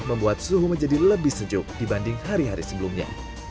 membuat suhu menjadi lebih sejuk dibanding hari hari sebelumnya